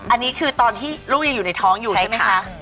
อันนี้คือตอนที่ลูกยังอยู่ในท้องอยู่ใช่ไหมคะ